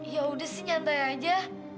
ya udah sih nyantai aja